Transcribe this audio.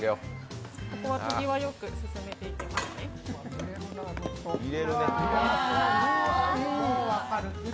ここは手際よく進めていきますね。